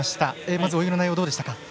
まず泳ぎの内容どうでしたか。